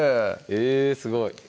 えぇすごい